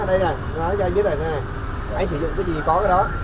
đây này tôi nói cho anh biết rồi này anh sử dụng cái gì có cái đó